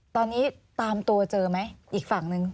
ตอนนี้ตามตัวเจอไหมอีกฝั่งนึง